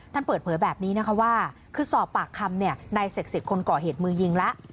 ท่านเปิดเผยแบบนี้นะคะว่าคือสอบปากคำนายเสกสิทธิ์คนก่อเหตุมือยิงแล้ว